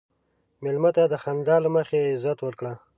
مېلمه ته د خندا له مخې عزت ورکړه.